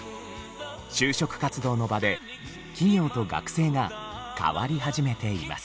就職活動の場で企業と学生が変わり始めています。